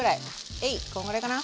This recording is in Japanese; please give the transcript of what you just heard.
えいっこんぐらいかな？